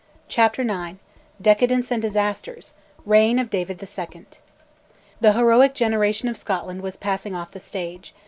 CHAPTER IX. DECADENCE AND DISASTERS REIGN OF DAVID II. The heroic generation of Scotland was passing off the stage.